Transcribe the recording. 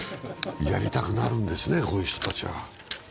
やりたくなるんですね、こういう人たちは。